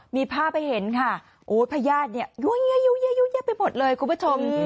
มีภาพให้เห็นค่ะโอ้ยพญาติเนี่ยยุ้ยไปหมดเลยคุณผู้ชม